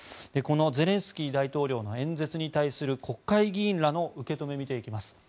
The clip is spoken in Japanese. このゼレンスキー大統領の演説に対する国会議員らの受け止め見ていきます。